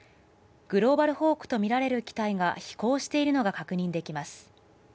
グローバルホークとみられる機体が飛行しているのが確認できます。